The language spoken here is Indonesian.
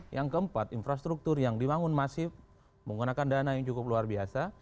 yang keempat infrastruktur yang dibangun masif menggunakan dana yang cukup luar biasa